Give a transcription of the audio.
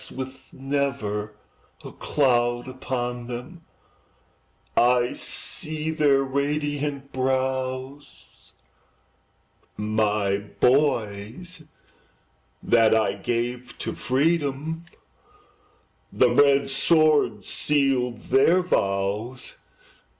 With never a cloud upon them, I see their radiant brows; My boys that I gave to freedom, The red sword sealed their vows!